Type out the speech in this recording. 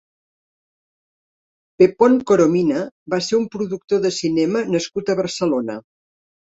Pepón Coromina va ser un productor de cinema nascut a Barcelona.